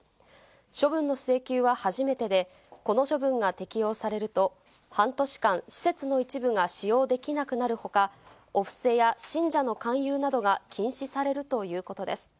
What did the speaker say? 処分の請求は初めてで、この処分が適用されると、半年間、施設の一部が使用できなくなるほか、お布施や信者の勧誘などが禁止されるということです。